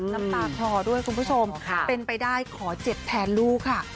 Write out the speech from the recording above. น้ำตาคลอด้วยคุณผู้ชมเป็นไปได้ขอเจ็บแทนลูกค่ะ